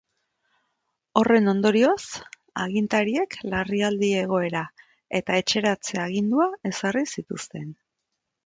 Horren ondorioz, agintariek larrialdi egoera eta etxeratze-agindua ezarri zituzten.